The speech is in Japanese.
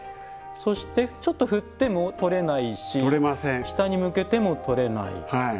そして、ちょっと振っても取れないし下に向けても取れない。